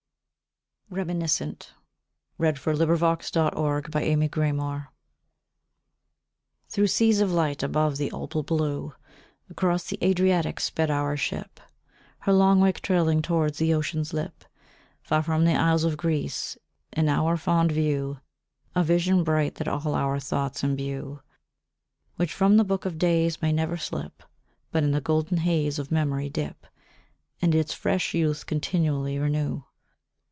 ddening morn are scrolled. February 22, 1888. REMINISCENT THROUGH seas of light above the opal blue Across the Adriatic sped our ship, Her long wake trailing towards the ocean's lip, Far from the isles of Greece; in our fond view A vision bright that all our thoughts embue; Which from the Book of Days may never slip But in the golden haze of memory dip, And its fresh youth continually renew.